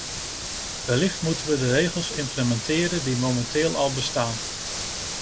Wellicht moeten we de regels implementeren die momenteel al bestaan.